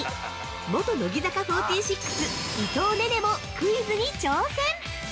元乃木坂４６、伊藤寧々もクイズに挑戦！